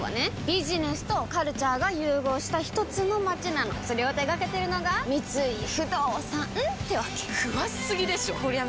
ビジネスとカルチャーが融合したひとつの街なのそれを手掛けてるのが三井不動産ってわけ詳しすぎでしょこりゃ